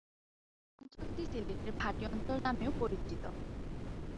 এই অঞ্চলটি সিলেটের ভাটি অঞ্চল নামেও পরিচিত।